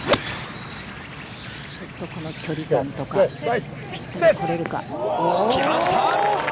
ちょっとこの距離感とか、ぴたり来れるか。来ました！